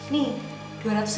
nih dua ratus ribu buat pak asri